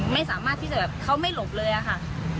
ไม่สามารถที่จะแบบเขาไม่หลบเลยอะค่ะ